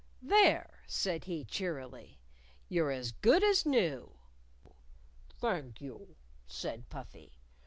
"There!" said he, cheerily. "You're as good as new!" "Thank you," said Puffy.